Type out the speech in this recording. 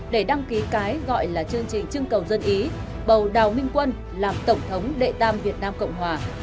để đăng ký cái gọi là chương trình trưng cầu dân ý bầu đào minh quân làm tổng thống đệ tam việt nam cộng hòa